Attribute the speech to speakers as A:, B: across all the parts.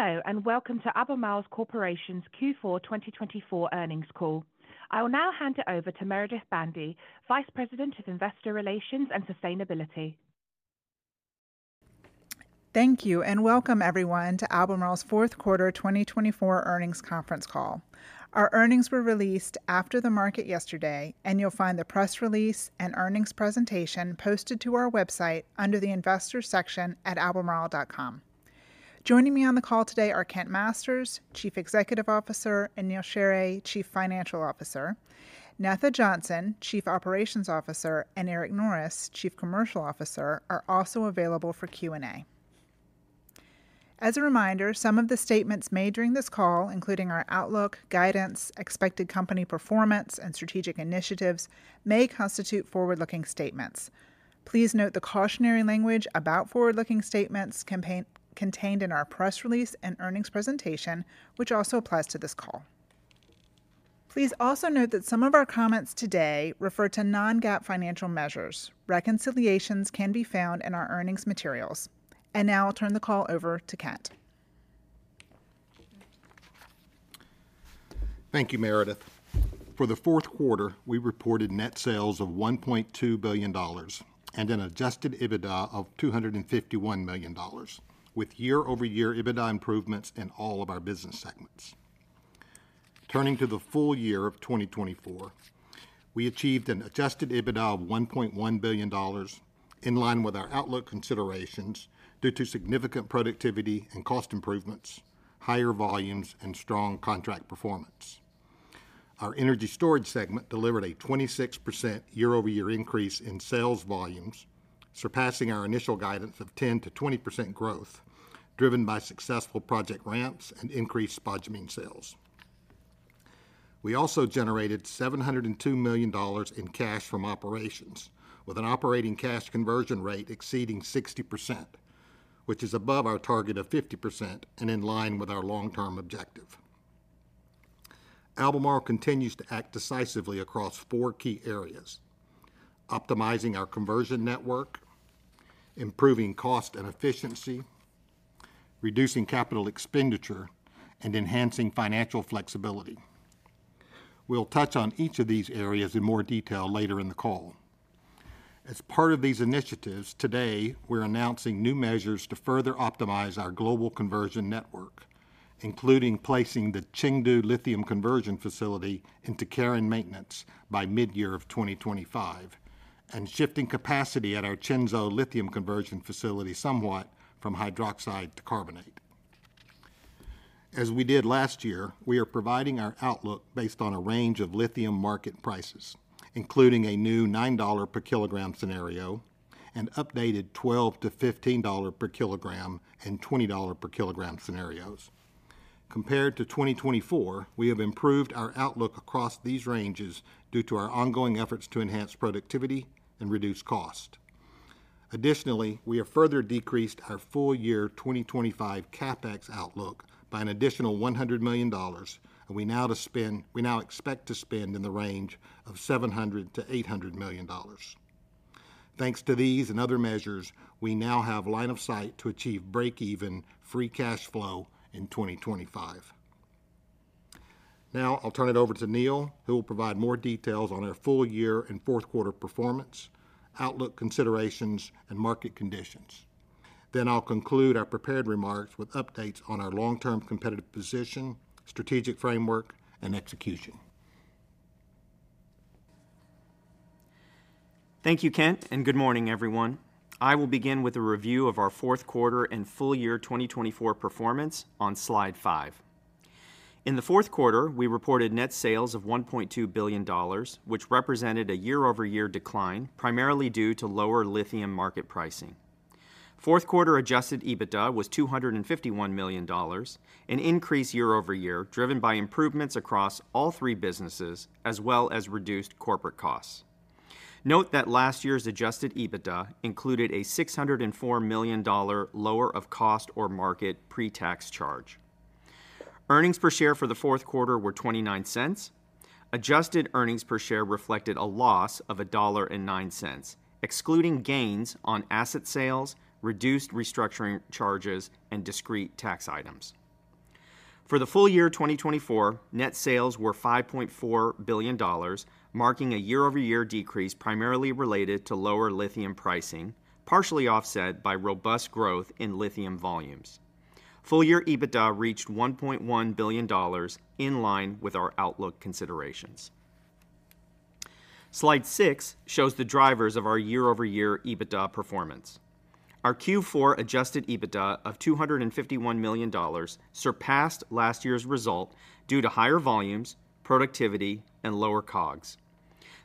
A: Hello, and welcome to Albemarle Corporation's Q4 2024 earnings call. I will now hand it over to Meredith Bandy, Vice President of Investor Relations and Sustainability.
B: Thank you, and welcome everyone to Albemarle's Fourth Quarter 2024 earnings conference call. Our earnings were released after the market yesterday, and you'll find the press release and earnings presentation posted to our website under the Investor section at albemarle.com. Joining me on the call today are Kent Masters, Chief Executive Officer, and Neal Sheorey, Chief Financial Officer. Netha Johnson, Chief Operations Officer, and Eric Norris, Chief Commercial Officer, are also available for Q&A. As a reminder, some of the statements made during this call, including our outlook, guidance, expected company performance, and strategic initiatives, may constitute forward-looking statements. Please note the cautionary language about forward-looking statements contained in our press release and earnings presentation, which also applies to this call. Please also note that some of our comments today refer to non-GAAP financial measures. Reconciliations can be found in our earnings materials. Now I'll turn the call over to Kent.
C: Thank you, Meredith. For the fourth quarter, we reported net sales of $1.2 billion and an adjusted EBITDA of $251 million, with year-over-year EBITDA improvements in all of our business segments. Turning to the full year of 2024, we achieved an adjusted EBITDA of $1.1 billion, in line with our outlook considerations due to significant productivity and cost improvements, higher volumes, and strong contract performance. Energy Storage segment delivered a 26% year-over-year increase in sales volumes, surpassing our initial guidance of 10%-20% growth, driven by successful project ramps and increased spodumene sales. We also generated $702 million in cash from operations, with an operating cash conversion rate exceeding 60%, which is above our target of 50% and in line with our long-term objective. Albemarle continues to act decisively across four key areas: optimizing our conversion network, improving cost and efficiency, reducing capital expenditure, and enhancing financial flexibility. We'll touch on each of these areas in more detail later in the call. As part of these initiatives, today we're announcing new measures to further optimize our global conversion network, including placing the Chengdu Lithium Conversion Facility into care and maintenance by mid-year of 2025, and shifting capacity at our Qinzhou Lithium Conversion Facility somewhat from hydroxide to carbonate. As we did last year, we are providing our outlook based on a range of lithium market prices, including a new $9 per kilogram scenario and updated $12-$15 per kilogram and $20 per kilogram scenarios. Compared to 2024, we have improved our outlook across these ranges due to our ongoing efforts to enhance productivity and reduce cost. Additionally, we have further decreased our full-year 2025 CapEx outlook by an additional $100 million, and we now expect to spend in the range of $700-$800 million. Thanks to these and other measures, we now have line of sight to achieve break-even free cash flow in 2025. Now I'll turn it over to Neal, who will provide more details on our full-year and fourth quarter performance, outlook considerations, and market conditions. Then I'll conclude our prepared remarks with updates on our long-term competitive position, strategic framework, and execution.
D: Thank you, Kent, and good morning, everyone. I will begin with a review of our fourth quarter and full-year 2024 performance on slide five. In the fourth quarter, we reported net sales of $1.2 billion, which represented a year-over-year decline primarily due to lower lithium market pricing. Fourth quarter adjusted EBITDA was $251 million, an increase year-over-year driven by improvements across all three businesses, as well as reduced corporate costs. Note that last year's adjusted EBITDA included a $604 million lower of cost or market pre-tax charge. Earnings per share for the fourth quarter were $0.29. Adjusted earnings per share reflected a loss of $1.09, excluding gains on asset sales, reduced restructuring charges, and discrete tax items. For the full year 2024, net sales were $5.4 billion, marking a year-over-year decrease primarily related to lower lithium pricing, partially offset by robust growth in lithium volumes. Full-year EBITDA reached $1.1 billion, in line with our outlook considerations. Slide six shows the drivers of our year-over-year EBITDA performance. Our Q4 adjusted EBITDA of $251 million surpassed last year's result due to higher volumes, productivity, and lower COGS.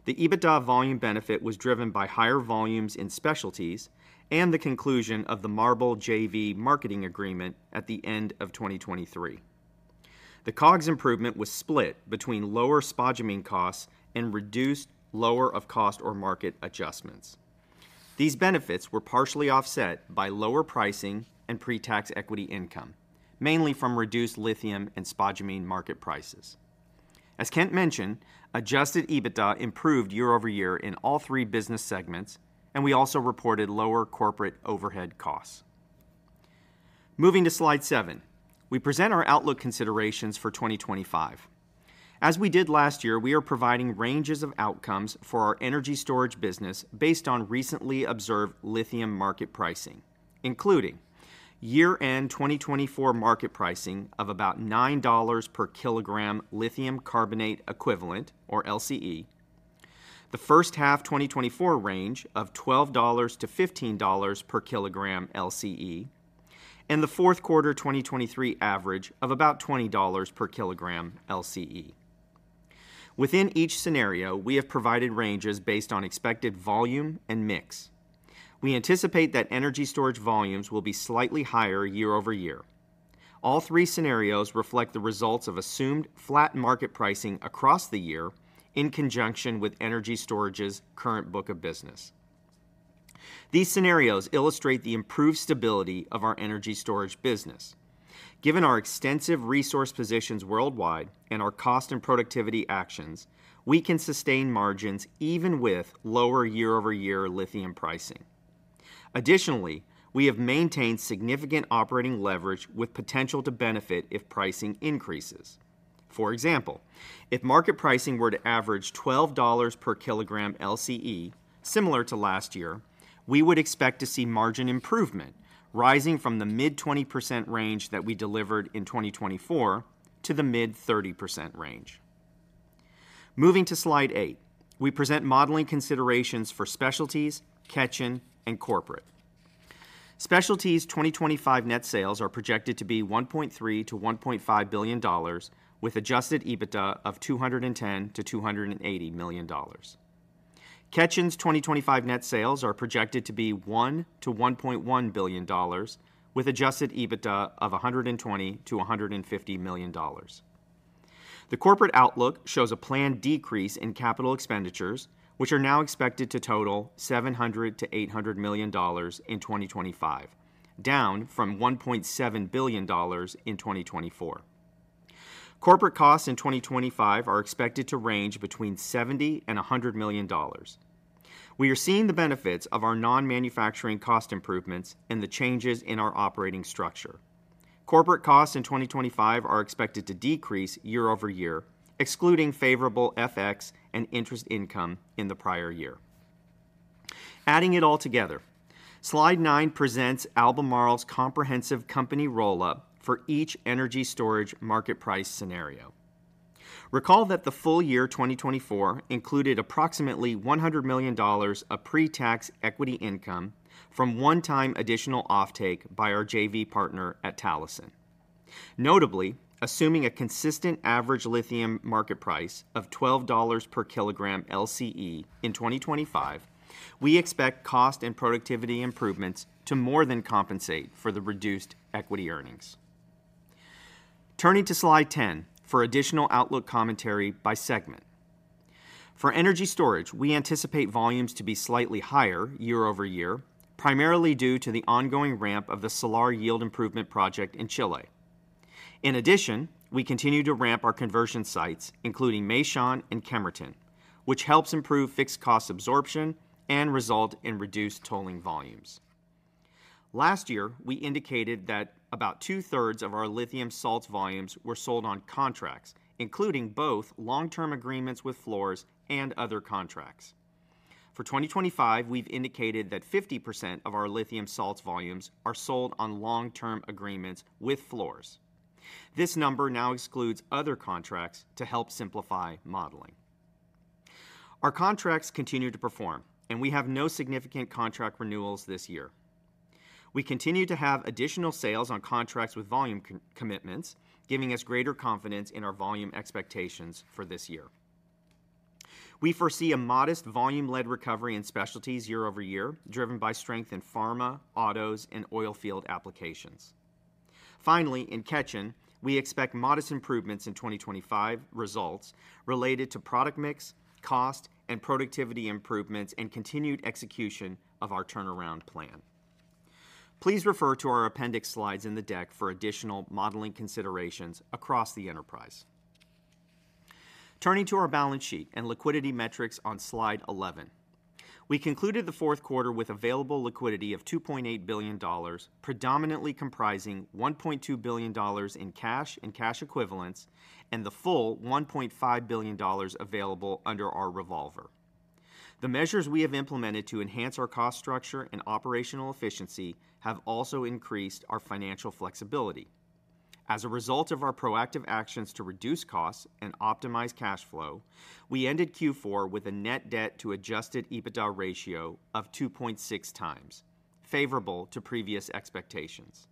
D: The EBITDA volume benefit was driven by higher volumes in specialties and the conclusion of the MARBL JV marketing agreement at the end of 2023. The COGS improvement was split between lower spodumene costs and reduced lower of cost or market adjustments. These benefits were partially offset by lower pricing and pre-tax equity income, mainly from reduced lithium and spodumene market prices. As Kent mentioned, adjusted EBITDA improved year-over-year in all three business segments, and we also reported lower corporate overhead costs. Moving to Slide seven, we present our outlook considerations for 2025. As we did last year, we are providing ranges of outcomes for Energy Storage business based on recently observed lithium market pricing, including year-end 2024 market pricing of about $9 per kilogram lithium carbonate equivalent, or LCE, the first half 2024 range of $12-$15 per kilogram LCE, and the fourth quarter 2023 average of about $20 per kilogram LCE. Within each scenario, we have provided ranges based on expected volume and mix. We anticipate Energy Storage volumes will be slightly higher year-over-year. All three scenarios reflect the results of assumed flat market pricing across the year in conjunction Energy Storage's current book of business. These scenarios illustrate the improved stability of Energy Storage business. Given our extensive resource positions worldwide and our cost and productivity actions, we can sustain margins even with lower year-over-year lithium pricing. Additionally, we have maintained significant operating leverage with potential to benefit if pricing increases. For example, if market pricing were to average $12 per kilogram LCE, similar to last year, we would expect to see margin improvement rising from the mid-20% range that we delivered in 2024 to the mid-30% range. Moving to slide eight, we present modeling considerations for specialties, Ketjen, and corporate. Specialties' 2025 net sales are projected to be $1.3-$1.5 billion, with adjusted EBITDA of $210-$280 million. Ketjen's 2025 net sales are projected to be $1-$1.1 billion, with adjusted EBITDA of $120-$150 million. The corporate outlook shows a planned decrease in capital expenditures, which are now expected to total $700-$800 million in 2025, down from $1.7 billion in 2024. Corporate costs in 2025 are expected to range between $70 and $100 million. We are seeing the benefits of our non-manufacturing cost improvements and the changes in our operating structure. Corporate costs in 2025 are expected to decrease year-over-year, excluding favorable FX and interest income in the prior year. Adding it all together, slide nine presents Albemarle's comprehensive company roll-up for Energy Storage market price scenario. Recall that the full year 2024 included approximately $100 million of pre-tax equity income from one-time additional offtake by our JV partner at Talison. Notably, assuming a consistent average lithium market price of $12 per kilogram LCE in 2025, we expect cost and productivity improvements to more than compensate for the reduced equity earnings. Turning to slide ten for additional outlook commentary by segment. Energy Storage, we anticipate volumes to be slightly higher year-over-year, primarily due to the ongoing ramp of the Salar Yield Improvement Project in Chile. In addition, we continue to ramp our conversion sites, including Meishan and Kemerton, which helps improve fixed cost absorption and result in reduced tolling volumes. Last year, we indicated that about two-thirds of our lithium salts volumes were sold on contracts, including both long-term agreements with Ford and other contracts. For 2025, we've indicated that 50% of our lithium salts volumes are sold on long-term agreements with Ford. This number now excludes other contracts to help simplify modeling. Our contracts continue to perform, and we have no significant contract renewals this year. We continue to have additional sales on contracts with volume commitments, giving us greater confidence in our volume expectations for this year. We foresee a modest volume-led recovery in specialties year-over-year, driven by strength in pharma, autos, and oil field applications. Finally, in Ketjen, we expect modest improvements in 2025 results related to product mix, cost, and productivity improvements, and continued execution of our turnaround plan. Please refer to our appendix slides in the deck for additional modeling considerations across the enterprise. Turning to our balance sheet and liquidity metrics on slide 11, we concluded the fourth quarter with available liquidity of $2.8 billion, predominantly comprising $1.2 billion in cash and cash equivalents, and the full $1.5 billion available under our revolver. The measures we have implemented to enhance our cost structure and operational efficiency have also increased our financial flexibility. As a result of our proactive actions to reduce costs and optimize cash flow, we ended Q4 with a net debt to adjusted EBITDA ratio of 2.6 times, favorable to previous expectations.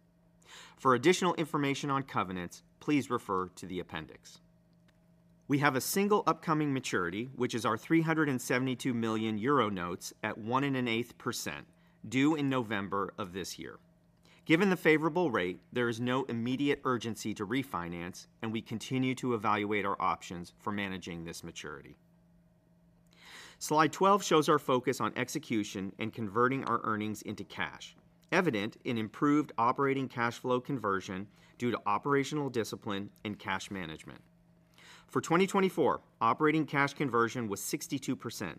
D: For additional information on covenants, please refer to the appendix. We have a single upcoming maturity, which is our 372 million euro notes at 1.25%, due in November of this year. Given the favorable rate, there is no immediate urgency to refinance, and we continue to evaluate our options for managing this maturity. Slide 12 shows our focus on execution and converting our earnings into cash, evident in improved operating cash flow conversion due to operational discipline and cash management. For 2024, operating cash conversion was 62%,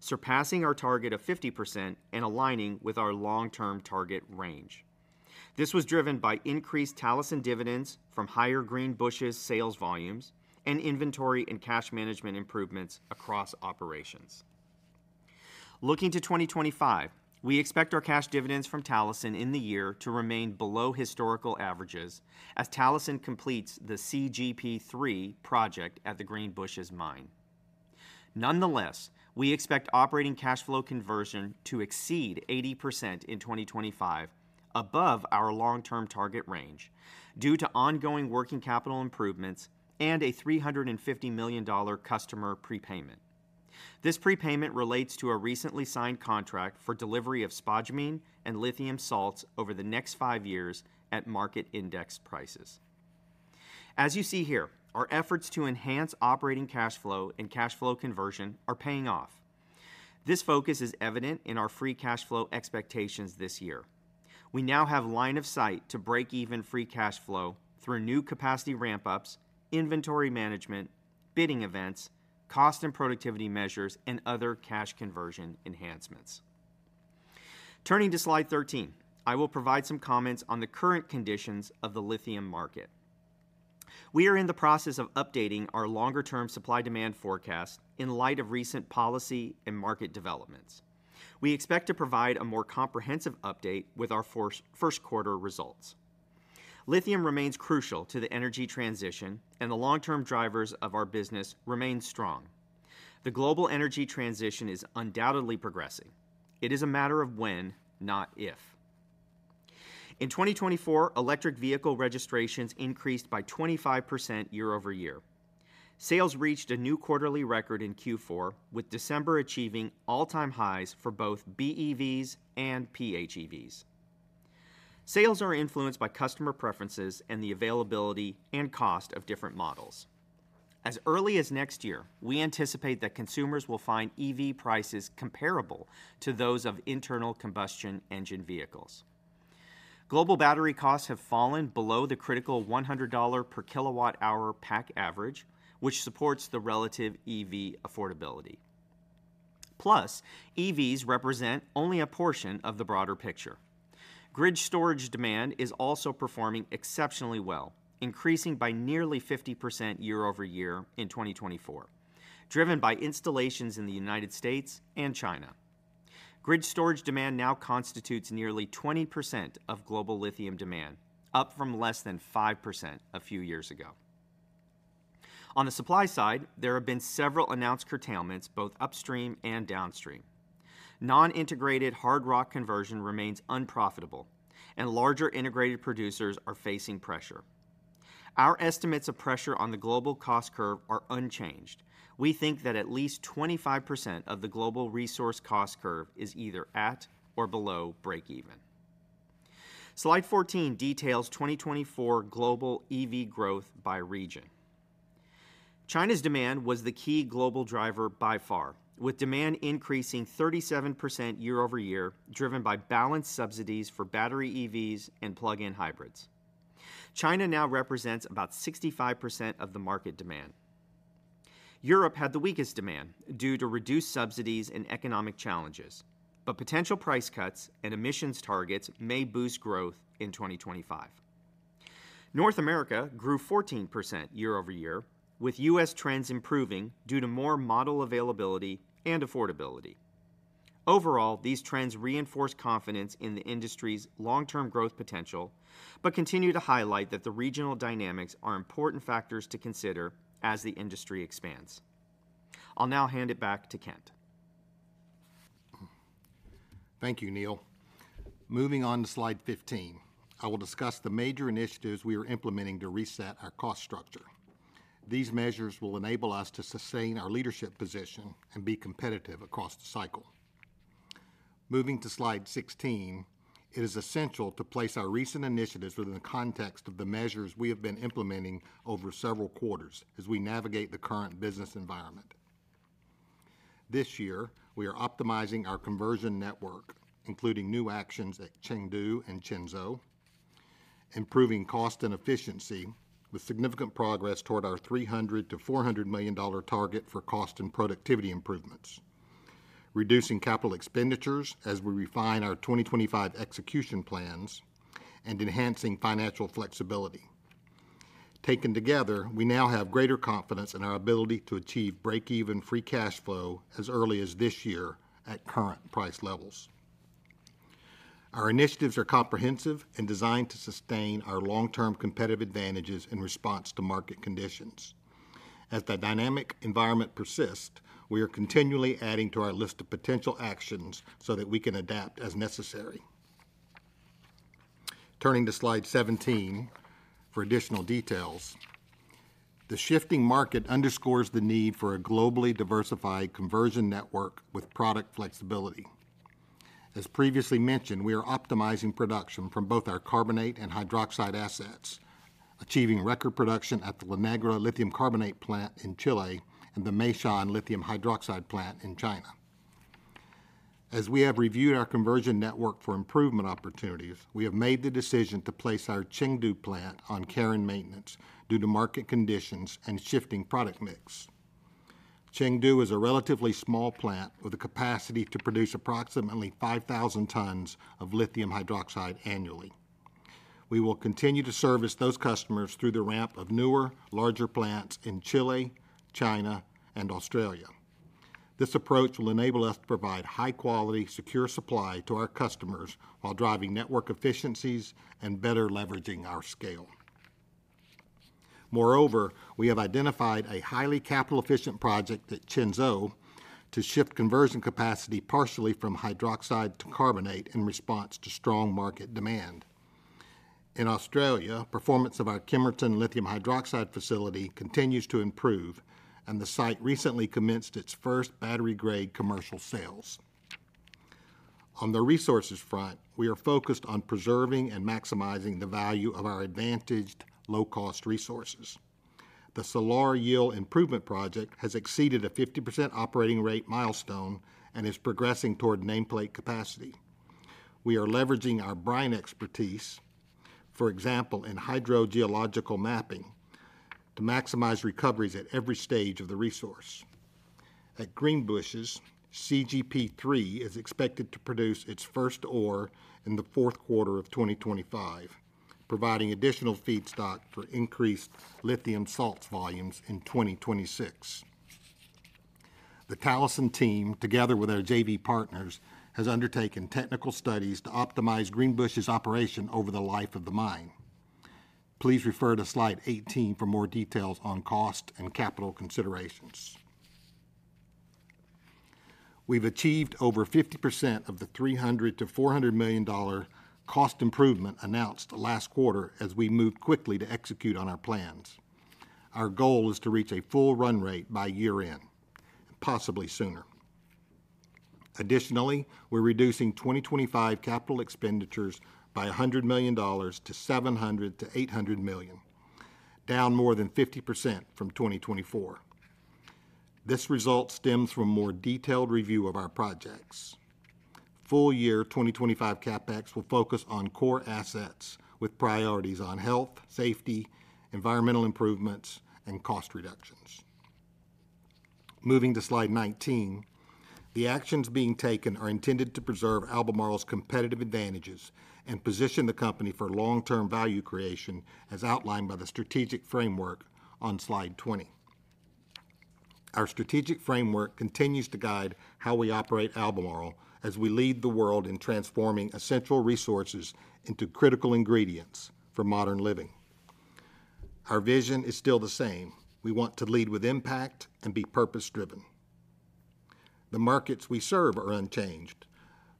D: surpassing our target of 50% and aligning with our long-term target range. This was driven by increased Talison dividends from higher Greenbushes sales volumes and inventory and cash management improvements across operations. Looking to 2025, we expect our cash dividends from Talison in the year to remain below historical averages as Talison completes the CGP3 project at the Greenbushes mine. Nonetheless, we expect operating cash flow conversion to exceed 80% in 2025, above our long-term target range due to ongoing working capital improvements and a $350 million customer prepayment. This prepayment relates to a recently signed contract for delivery of spodumene and lithium salts over the next five years at market index prices. As you see here, our efforts to enhance operating cash flow and cash flow conversion are paying off. This focus is evident in our free cash flow expectations this year. We now have line of sight to break-even free cash flow through new capacity ramp-ups, inventory management, bidding events, cost and productivity measures, and other cash conversion enhancements. Turning to slide 13, I will provide some comments on the current conditions of the lithium market. We are in the process of updating our longer-term supply demand forecast in light of recent policy and market developments. We expect to provide a more comprehensive update with our first quarter results. Lithium remains crucial to the energy transition, and the long-term drivers of our business remain strong. The global energy transition is undoubtedly progressing. It is a matter of when, not if. In 2024, electric vehicle registrations increased by 25% year-over-year. Sales reached a new quarterly record in Q4, with December achieving all-time highs for both BEVs and PHEVs. Sales are influenced by customer preferences and the availability and cost of different models. As early as next year, we anticipate that consumers will find EV prices comparable to those of internal combustion engine vehicles. Global battery costs have fallen below the critical $100 per kilowatt-hour pack average, which supports the relative EV affordability. Plus, EVs represent only a portion of the broader picture. Grid storage demand is also performing exceptionally well, increasing by nearly 50% year-over-year in 2024, driven by installations in the United States and China. Grid storage demand now constitutes nearly 20% of global lithium demand, up from less than 5% a few years ago. On the supply side, there have been several announced curtailments, both upstream and downstream. Non-integrated hard rock conversion remains unprofitable, and larger integrated producers are facing pressure. Our estimates of pressure on the global cost curve are unchanged. We think that at least 25% of the global resource cost curve is either at or below break-even. Slide 14 details 2024 global EV growth by region. China's demand was the key global driver by far, with demand increasing 37% year-over-year, driven by balanced subsidies for battery EVs and plug-in hybrids. China now represents about 65% of the market demand. Europe had the weakest demand due to reduced subsidies and economic challenges, but potential price cuts and emissions targets may boost growth in 2025. North America grew 14% year-over-year, with U.S. trends improving due to more model availability and affordability. Overall, these trends reinforce confidence in the industry's long-term growth potential, but continue to highlight that the regional dynamics are important factors to consider as the industry expands. I'll now hand it back to Kent.
C: Thank you, Neal. Moving on to slide 15, I will discuss the major initiatives we are implementing to reset our cost structure. These measures will enable us to sustain our leadership position and be competitive across the cycle. Moving to slide 16, it is essential to place our recent initiatives within the context of the measures we have been implementing over several quarters as we navigate the current business environment. This year, we are optimizing our conversion network, including new actions at Chengdu and Qinzhou, improving cost and efficiency with significant progress toward our $300-$400 million target for cost and productivity improvements, reducing capital expenditures as we refine our 2025 execution plans, and enhancing financial flexibility. Taken together, we now have greater confidence in our ability to achieve break-even free cash flow as early as this year at current price levels. Our initiatives are comprehensive and designed to sustain our long-term competitive advantages in response to market conditions. As the dynamic environment persists, we are continually adding to our list of potential actions so that we can adapt as necessary. Turning to slide 17 for additional details, the shifting market underscores the need for a globally diversified conversion network with product flexibility. As previously mentioned, we are optimizing production from both our carbonate and hydroxide assets, achieving record production at the La Negra Lithium Carbonate plant in Chile and the Meishan Lithium Hydroxide plant in China. As we have reviewed our conversion network for improvement opportunities, we have made the decision to place our Chengdu plant on care and maintenance due to market conditions and shifting product mix. Chengdu is a relatively small plant with a capacity to produce approximately 5,000 tons of lithium hydroxide annually. We will continue to service those customers through the ramp of newer, larger plants in Chile, China, and Australia. This approach will enable us to provide high-quality, secure supply to our customers while driving network efficiencies and better leveraging our scale. Moreover, we have identified a highly capital-efficient project at Qinzhou to shift conversion capacity partially from hydroxide to carbonate in response to strong market demand. In Australia, performance of our Kemerton lithium hydroxide facility continues to improve, and the site recently commenced its first battery-grade commercial sales. On the resources front, we are focused on preserving and maximizing the value of our advantaged low-cost resources. The Salar Yield Improvement Project has exceeded a 50% operating rate milestone and is progressing toward nameplate capacity. We are leveraging our brine expertise, for example, in hydrogeological mapping, to maximize recoveries at every stage of the resource. At Greenbushes, CGP3 is expected to produce its first ore in the fourth quarter of 2025, providing additional feedstock for increased lithium salts volumes in 2026. The Talison team, together with our JV partners, has undertaken technical studies to optimize Greenbushes' operation over the life of the mine. Please refer to slide 18 for more details on cost and capital considerations. We've achieved over 50% of the $300-$400 million cost improvement announced last quarter as we move quickly to execute on our plans. Our goal is to reach a full run rate by year-end, possibly sooner. Additionally, we're reducing 2025 capital expenditures by $100 million to $700 million-$800 million, down more than 50% from 2024. This result stems from a more detailed review of our projects. Full-year 2025 CapEx will focus on core assets with priorities on health, safety, environmental improvements, and cost reductions. Moving to slide 19, the actions being taken are intended to preserve Albemarle's competitive advantages and position the company for long-term value creation as outlined by the strategic framework on slide 20. Our strategic framework continues to guide how we operate Albemarle as we lead the world in transforming essential resources into critical ingredients for modern living. Our vision is still the same. We want to lead with impact and be purpose-driven. The markets we serve are unchanged.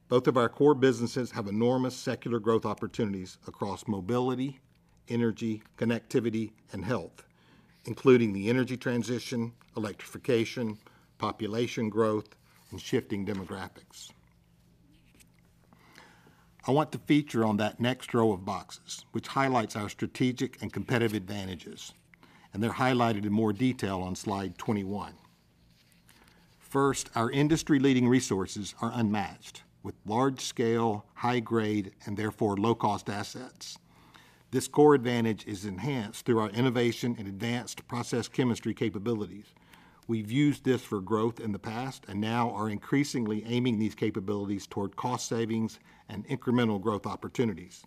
C: Both of our core businesses have enormous secular growth opportunities across mobility, energy, connectivity, and health, including the energy transition, electrification, population growth, and shifting demographics. I want to feature on that next row of boxes, which highlights our strategic and competitive advantages, and they're highlighted in more detail on slide 21. First, our industry-leading resources are unmatched with large-scale, high-grade, and therefore low-cost assets. This core advantage is enhanced through our innovation and advanced process chemistry capabilities. We've used this for growth in the past and now are increasingly aiming these capabilities toward cost savings and incremental growth opportunities.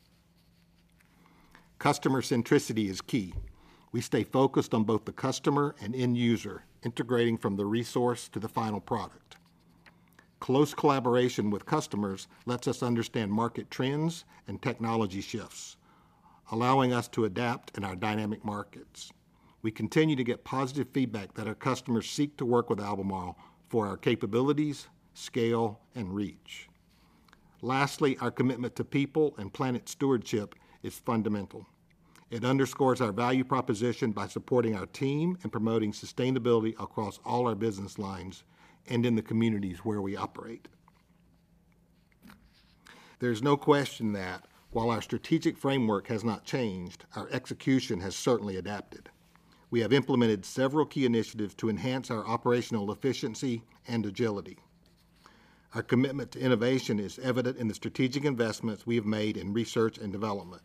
C: Customer centricity is key. We stay focused on both the customer and end user, integrating from the resource to the final product. Close collaboration with customers lets us understand market trends and technology shifts, allowing us to adapt in our dynamic markets. We continue to get positive feedback that our customers seek to work with Albemarle for our capabilities, scale, and reach. Lastly, our commitment to people and planet stewardship is fundamental. It underscores our value proposition by supporting our team and promoting sustainability across all our business lines and in the communities where we operate. There is no question that while our strategic framework has not changed, our execution has certainly adapted. We have implemented several key initiatives to enhance our operational efficiency and agility. Our commitment to innovation is evident in the strategic investments we have made in research and development.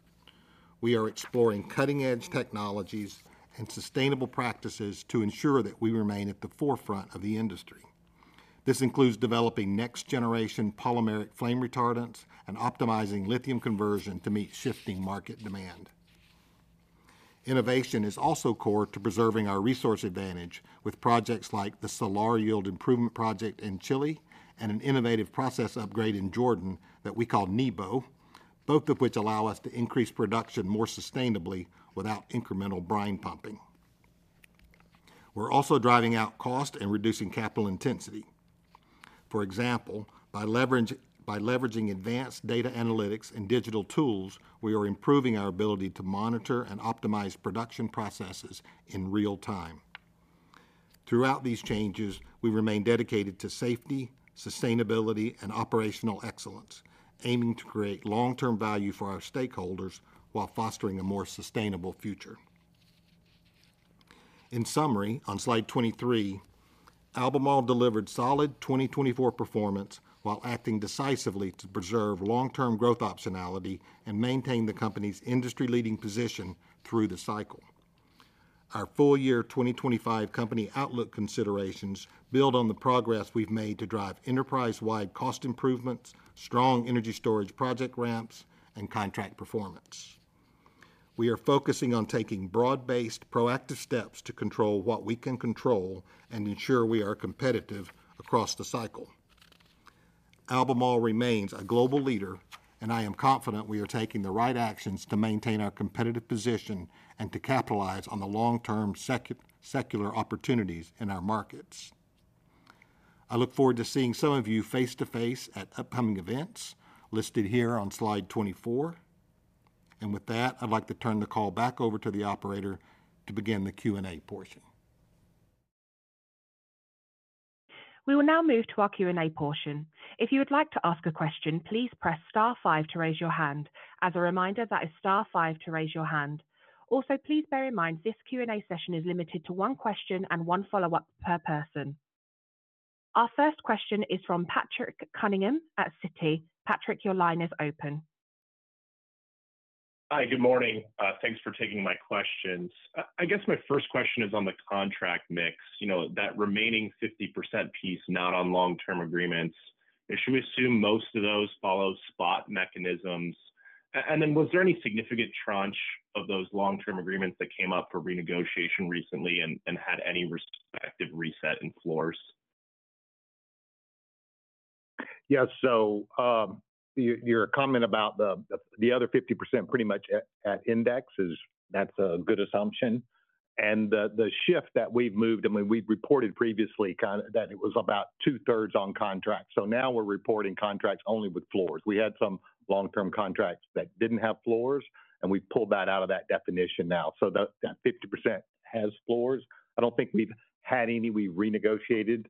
C: We are exploring cutting-edge technologies and sustainable practices to ensure that we remain at the forefront of the industry. This includes developing next-generation polymeric flame retardants and optimizing lithium conversion to meet shifting market demand. Innovation is also core to preserving our resource advantage with projects like the Salar Yield Improvement Project in Chile and an innovative process upgrade in Jordan that we call NEBO, both of which allow us to increase production more sustainably without incremental brine pumping. We're also driving out cost and reducing capital intensity. For example, by leveraging advanced data analytics and digital tools, we are improving our ability to monitor and optimize production processes in real time. Throughout these changes, we remain dedicated to safety, sustainability, and operational excellence, aiming to create long-term value for our stakeholders while fostering a more sustainable future. In summary, on slide 23, Albemarle delivered solid 2024 performance while acting decisively to preserve long-term growth optionality and maintain the company's industry-leading position through the cycle. Our full-year 2025 company outlook considerations build on the progress we've made to drive enterprise-wide cost improvements, Energy Storage project ramps, and contract performance. We are focusing on taking broad-based proactive steps to control what we can control and ensure we are competitive across the cycle. Albemarle remains a global leader, and I am confident we are taking the right actions to maintain our competitive position and to capitalize on the long-term secular opportunities in our markets. I look forward to seeing some of you face-to-face at upcoming events listed here on slide 24. And with that, I'd like to turn the call back over to the operator to begin the Q&A portion.
A: We will now move to our Q&A portion. If you would like to ask a question, please press star five to raise your hand. As a reminder, that is star five to raise your hand. Also, please bear in mind this Q&A session is limited to one question and one follow-up per person. Our first question is from Patrick Cunningham at Citi. Patrick, your line is open.
E: Hi, good morning. Thanks for taking my questions. I guess my first question is on the contract mix, that remaining 50% piece not on long-term agreements. Should we assume most of those follow spot mechanisms? And then was there any significant tranche of those long-term agreements that came up for renegotiation recently and had any respective reset in floors?
C: Yes. So, your comment about the other 50% pretty much at index, that's a good assumption, and the shift that we've moved, I mean, we've reported previously that it was about two-thirds on contracts, so now we're reporting contracts only with floors. We had some long-term contracts that didn't have floors, and we've pulled that out of that definition now. So that 50% has floors. I don't think we've had any. We've renegotiated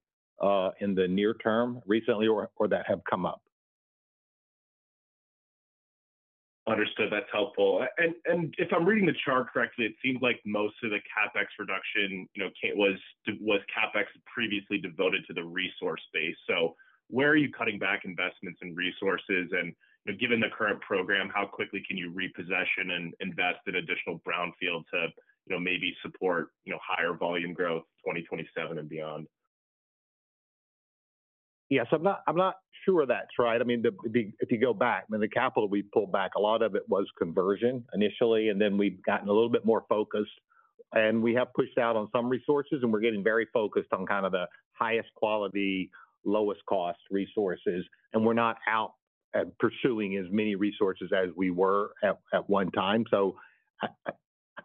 C: in the near term recently or that have come up.
E: Understood. That's helpful. And if I'm reading the chart correctly, it seems like most of the CapEx reduction was CapEx previously devoted to the resource base. So where are you cutting back investments and resources? And given the current program, how quickly can you reposition and invest in additional brownfield to maybe support higher volume growth 2027 and beyond?
C: Yes. I'm not sure that's right. I mean, if you go back, I mean, the capital we pulled back, a lot of it was conversion initially, and then we've gotten a little bit more focused. And we have pushed out on some resources, and we're getting very focused on kind of the highest quality, lowest cost resources. And we're not out pursuing as many resources as we were at one time. So I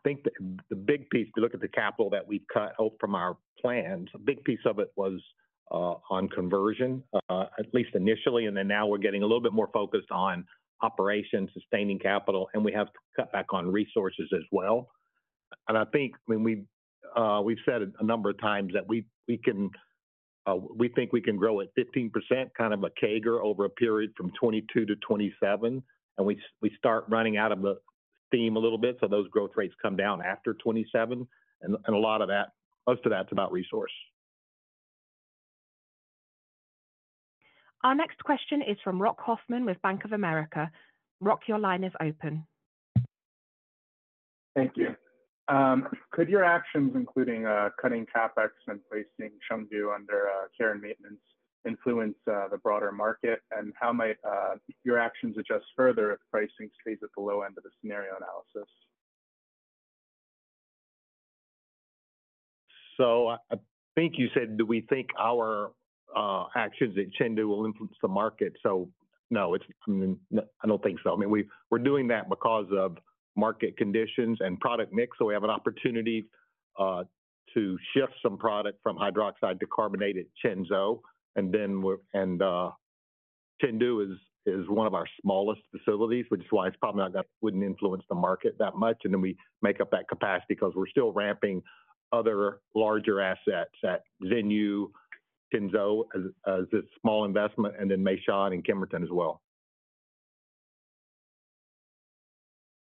C: think the big piece, if you look at the capital that we've cut out from our plans, a big piece of it was on conversion, at least initially. And then now we're getting a little bit more focused on operations, sustaining capital, and we have cut back on resources as well. And I think, I mean, we've said a number of times that we think we can grow at 15%, kind of a CAGR over a period from 2022 to 2027. And we start running out of the theme a little bit. So those growth rates come down after 2027. And a lot of that, most of that's about resource.
A: Our next question is from Rock Hoffman with Bank of America. Rock, your line is open.
F: Thank you. Could your actions, including cutting CapEx and placing Chengdu under care and maintenance, influence the broader market? And how might your actions adjust further if pricing stays at the low end of the scenario analysis?
C: So, I think you said, do we think our actions at Chengdu will influence the market? So, no, I don't think so. I mean, we're doing that because of market conditions and product mix. So, we have an opportunity to shift some product from hydroxide to carbonate at Qinzhou. And Chengdu is one of our smallest facilities, which is why it's probably not going to influence the market that much. And then we make up that capacity because we're still ramping other larger assets at Xinyu, Qinzhou as a small investment, and then Meishan and Kemerton as well.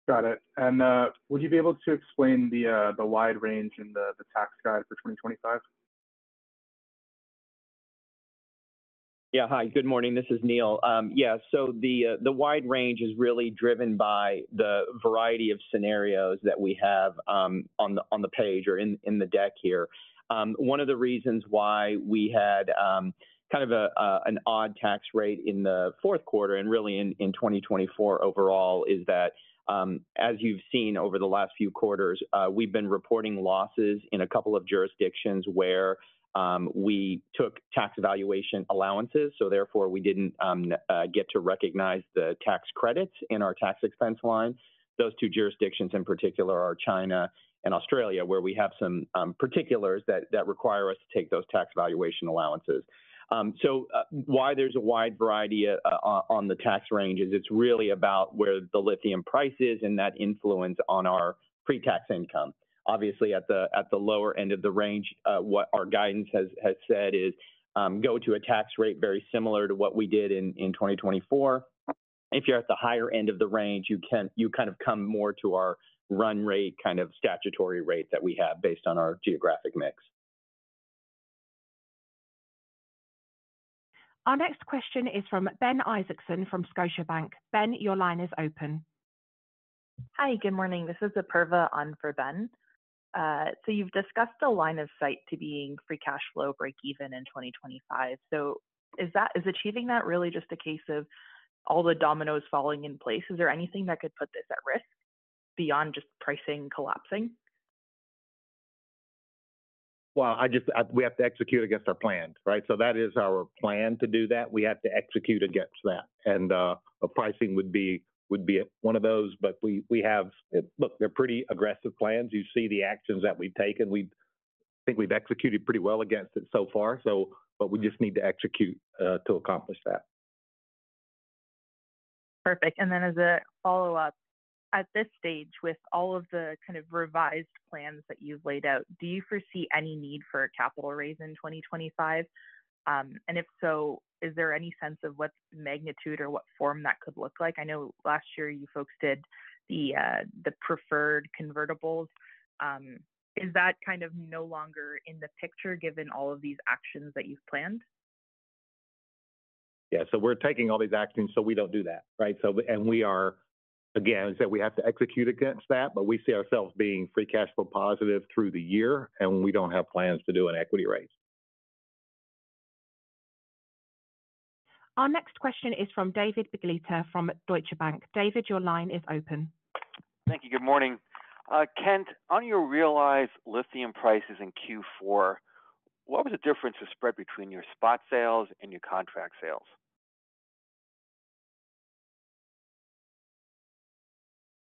F: Got it. And would you be able to explain the wide range in the tax guidance for 2025?
D: Yeah. Hi, good morning. This is Neal. Yeah. So the wide range is really driven by the variety of scenarios that we have on the page or in the deck here. One of the reasons why we had kind of an odd tax rate in the fourth quarter and really in 2024 overall is that, as you've seen over the last few quarters, we've been reporting losses in a couple of jurisdictions where we took tax valuation allowances. So therefore, we didn't get to recognize the tax credits in our tax expense line. Those two jurisdictions in particular are China and Australia, where we have some particulars that require us to take those tax valuation allowances. So why there's a wide variety on the tax range is it's really about where the lithium price is and that influence on our pre-tax income. Obviously, at the lower end of the range, what our guidance has said is go to a tax rate very similar to what we did in 2024. If you're at the higher end of the range, you kind of come more to our run rate, kind of statutory rate that we have based on our geographic mix.
A: Our next question is from Ben Isaacson from Scotiabank. Ben, your line is open.
G: Hi, good morning. This is Apurva on for Ben. So you've discussed the line of sight to being free cash flow break-even in 2025. So is achieving that really just a case of all the dominoes falling in place? Is there anything that could put this at risk beyond just pricing collapsing?
C: Well, we have to execute against our plan, right? So that is our plan to do that. We have to execute against that. And pricing would be one of those, but we have, look, they're pretty aggressive plans. You see the actions that we've taken. I think we've executed pretty well against it so far, but we just need to execute to accomplish that.
G: Perfect. And then as a follow-up, at this stage, with all of the kind of revised plans that you've laid out, do you foresee any need for a capital raise in 2025? And if so, is there any sense of what magnitude or what form that could look like? I know last year you folks did the preferred convertibles. Is that kind of no longer in the picture given all of these actions that you've planned?
C: Yeah. So we're taking all these actions so we don't do that, right? And we are, again, we have to execute against that, but we see ourselves being free cash flow positive through the year, and we don't have plans to do an equity raise.
A: Our next question is from David Begleiter from Deutsche Bank. David, your line is open.
H: Thank you. Good morning. Kent, on your realized lithium prices in Q4, what was the difference of spread between your spot sales and your contract sales?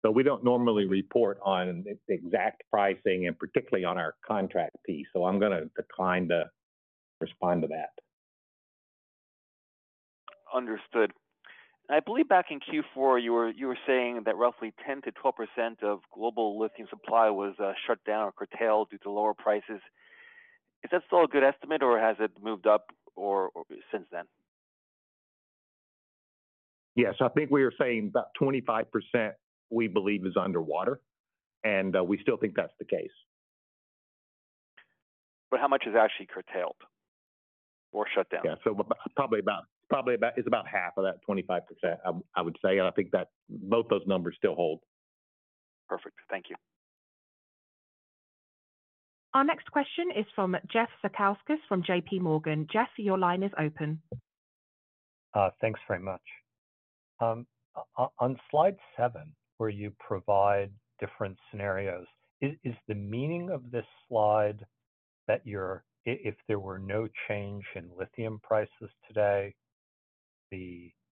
C: So we don't normally report on exact pricing and particularly on our contract piece. So I'm going to decline to respond to that.
H: Understood. I believe back in Q4, you were saying that roughly 10% to 12% of global lithium supply was shut down or curtailed due to lower prices. Is that still a good estimate, or has it moved up since then?
C: Yes. I think we were saying about 25% we believe is underwater, and we still think that's the case.
H: But how much is actually curtailed or shut down?
C: Yeah. So probably about half of that 25%, I would say. And I think that both those numbers still hold.
H: Perfect. Thank you.
A: Our next question is from Jeff Zekauskas from JPMorgan. Jeff, your line is open.
I: Thanks very much. On slide seven, where you provide different scenarios, is the meaning of this slide that if there were no change in lithium prices today,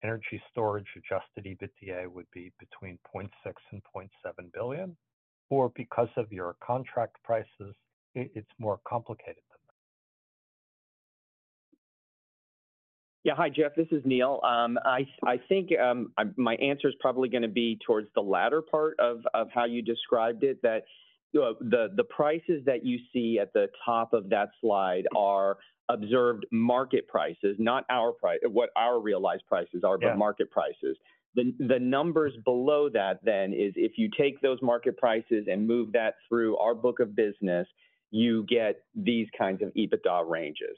I: Energy Storage adjusted EBITDA would be between $0.6 billion and $0.7 billion? Or because of your contract prices, it's more complicated than that?
D: Yeah. Hi, Jeff. This is Neal. I think my answer is probably going to be towards the latter part of how you described it, that the prices that you see at the top of that slide are observed market prices, not what our realized prices are, but market prices. The numbers below that then is if you take those market prices and move that through our book of business, you get these kinds of EBITDA ranges.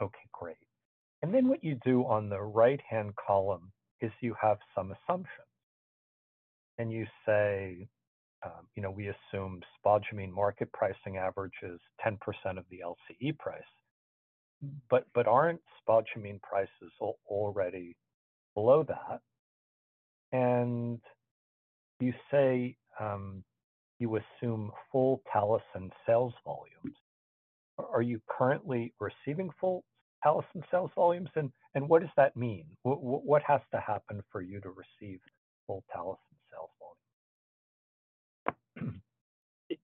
I: Okay. Great. And then what you do on the right-hand column is you have some assumptions. And you say, "We assume spodumene market pricing average is 10% of the LCE price." But aren't spodumene prices already below that? And you say you assume full Talison sales volumes. Are you currently receiving full Talison sales volumes? And what does that mean? What has to happen for you to receive full Talison sales volumes?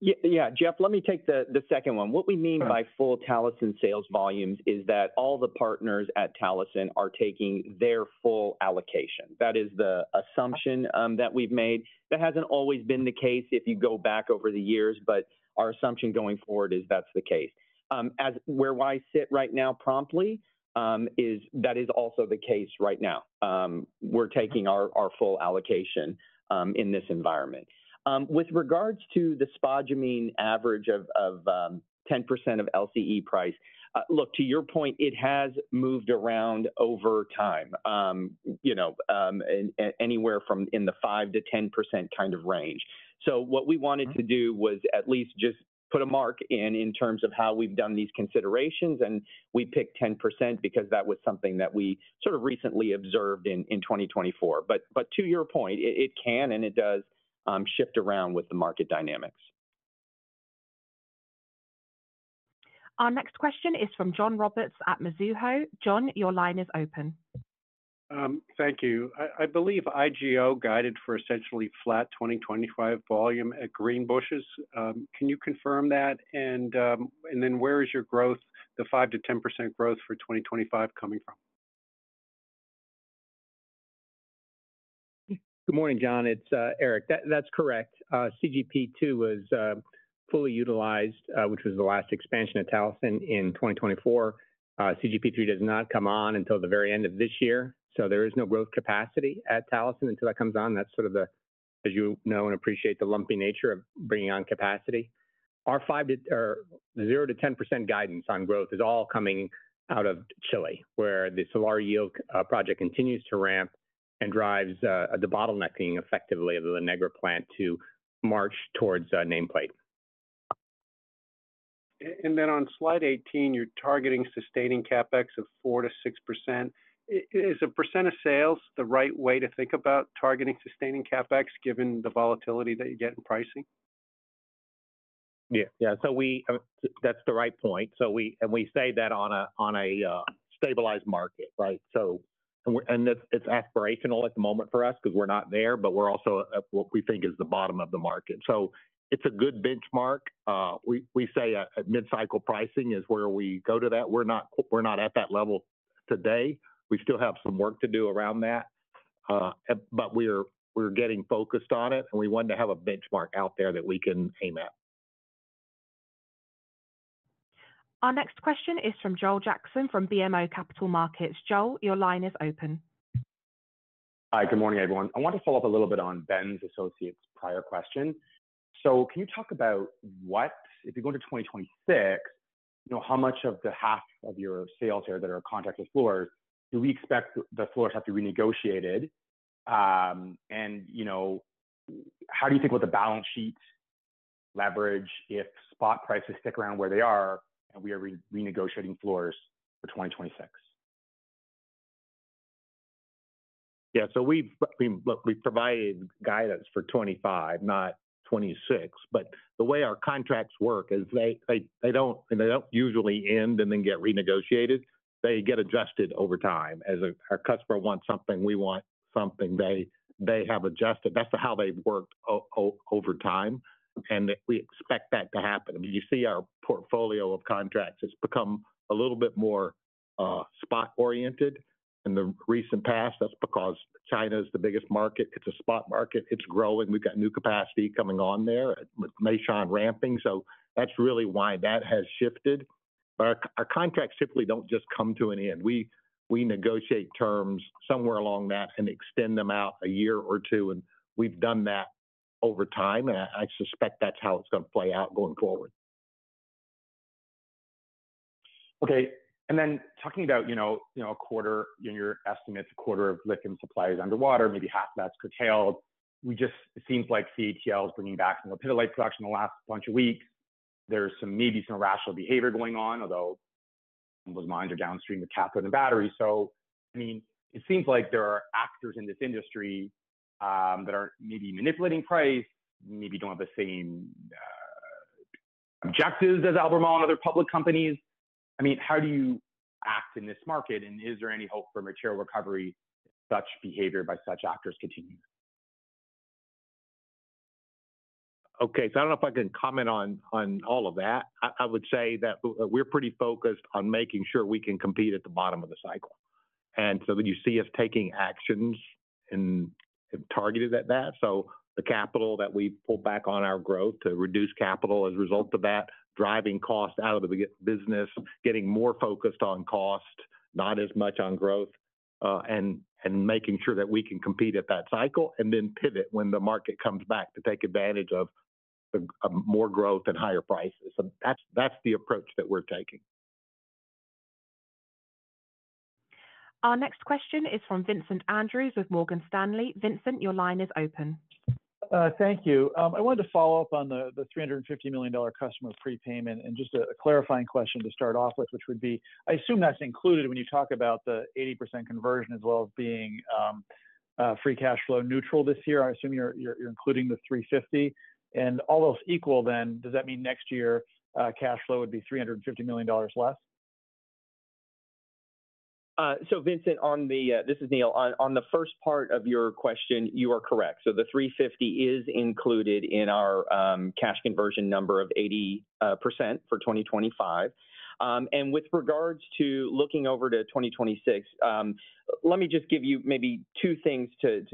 D: Yeah. Jeff, let me take the second one. What we mean by full Talison sales volumes is that all the partners at Talison are taking their full allocation. That is the assumption that we've made. That hasn't always been the case if you go back over the years, but our assumption going forward is that's the case. From where I sit right now, that is also the case right now. We're taking our full allocation in this environment. With regards to the spodumene average of 10% of LCE price, look, to your point, it has moved around over time, anywhere from in the 5%-10% kind of range. So what we wanted to do was at least just put a mark in terms of how we've done these considerations, and we picked 10% because that was something that we sort of recently observed in 2024. But to your point, it can and it does shift around with the market dynamics.
A: Our next question is from John Roberts at Mizuho. John, your line is open.
J: Thank you. I believe IGO guided for essentially flat 2025 volume at Greenbushes. Can you confirm that? And then where is your growth, the 5%-10% growth for 2025 coming from?
K: Good morning, John. It's Eric. That's correct. CGP2 was fully utilized, which was the last expansion at Talison in 2024. CGP3 does not come on until the very end of this year. So there is no growth capacity at Talison until that comes on. That's sort of the, as you know and appreciate, the lumpy nature of bringing on capacity. Our 0-10% guidance on growth is all coming out of Chile, where the Salar yield project continues to ramp and drives the bottlenecking, effectively, of the Negra plant to march towards nameplate.
J: And then on slide 18, you're targeting sustaining CapEx of 4-6%. Is a % of sales the right way to think about targeting sustaining CapEx given the volatility that you get in pricing?
K: Yeah. Yeah. So that's the right point. And we say that on a stabilized market, right? And it's aspirational at the moment for us because we're not there, but we're also at what we think is the bottom of the market. So it's a good benchmark. We say mid-cycle pricing is where we go to that. We're not at that level today. We still have some work to do around that, but we're getting focused on it, and we want to have a benchmark out there that we can aim at.
A: Our next question is from Joel Jackson from BMO Capital Markets. Joel, your line is open.
L: Hi. Good morning, everyone. I want to follow up a little bit on Ben's associate's prior question. So can you talk about what, if you go into 2026, how much of the half of your sales here that are contracted floors, do we expect the floors have to be renegotiated? And how do you think about the balance sheet leverage if spot prices stick around where they are and we are renegotiating floors for 2026?
C: Yeah, so we provided guidance for 2025, not 2026 but the way our contracts work is they don't usually end and then get renegotiated. They get adjusted over time as our customers want something, we want something, they have adjusted. That's how they worked over time. And we expect that to happen. You see our portfolio of contracts has become a little bit more spot-oriented in the recent past. That's because China is the biggest market. It's a spot market. It's growing. We've got new capacity coming on there with Meishan ramping. So, that's really why that has shifted. Our contracts simply don't just come to an end. We negotiate terms somewhere along that and extend them out a year or two, and we've done that over time. And I suspect that's how it's going to play out going forward.
L: Okay and then talking about a quarter - your estimate, a quarter of lithium supplies underwater, maybe half of that's curtailed. We just, it seems like CATL is bringing back some of the lepidolite production in the last bunch of weeks. There's maybe some irrational behavior going on, although some of those minds are downstream with cathode and battery. So, I mean, it seems like there are actors in this industry that are maybe manipulating price, maybe don't have the same objectives as Albemarle and other public companies. I mean, how do you act in this market? And is there any hope for material recovery if such behavior by such actors continues?
C: Okay. So I don't know if I can comment on all of that. I would say that we're pretty focused on making sure we can compete at the bottom of the cycle, and so you see us taking actions and targeted at that. So the capital that we've pulled back on our growth to reduce capital as a result of that, driving cost out of the business, getting more focused on cost, not as much on growth, and making sure that we can compete at that cycle and then pivot when the market comes back to take advantage of more growth and higher prices. So that's the approach that we're taking.
A: Our next question is from Vincent Andrews with Morgan Stanley. Vincent, your line is open.
M: Thank you. I wanted to follow up on the $350 million customer prepayment and just a clarifying question to start off with, which would be, I assume that's included when you talk about the 80% conversion as well as being free cash flow neutral this year. I assume you're including the 350. All those equal then. Does that mean next year cash flow would be $350 million less?
D: So, Vincent, this is Neal. On the first part of your question, you are correct. So the 350 is included in our cash conversion number of 80% for 2025. And with regards to looking over to 2026, let me just give you maybe two things to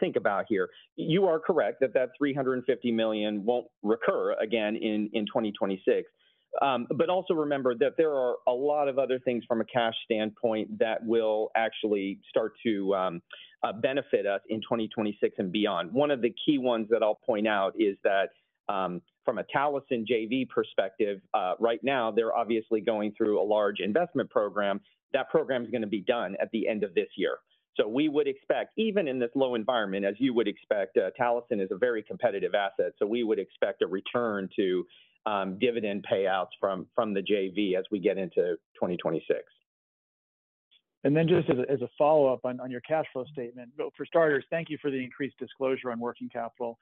D: think about here. You are correct that that 350 million won't recur again in 2026. But also remember that there are a lot of other things from a cash standpoint that will actually start to benefit us in 2026 and beyond. One of the key ones that I'll point out is that from a Talison JV perspective, right now, they're obviously going through a large investment program. That program is going to be done at the end of this year. We would expect, even in this low environment, as you would expect, Talison is a very competitive asset. We would expect a return to dividend payouts from the JV as we get into 2026.
M: Then just as a follow-up on your cash flow statement, for starters, thank you for the increased disclosure on working capital.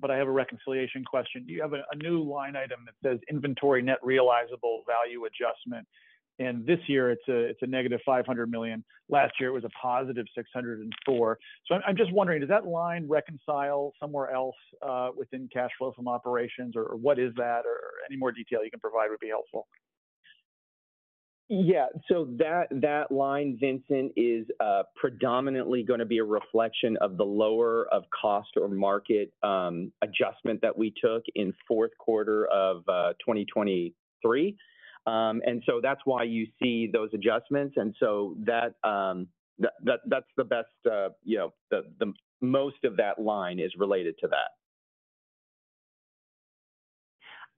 M: But I have a reconciliation question. You have a new line item that says inventory net realizable value adjustment. And this year, it's a negative $500 million. Last year, it was a positive $604 million. So I'm just wondering, does that line reconcile somewhere else within cash flow from operations? Or what is that? Or any more detail you can provide would be helpful.
D: Yeah. So that line, Vincent, is predominantly going to be a reflection of the lower of cost or market adjustment that we took in fourth quarter of 2023. That's why you see those adjustments. That's the best; the most of that line is related to that.